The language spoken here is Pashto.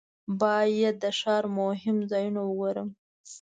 باید د ښار مهم ځایونه وګورم.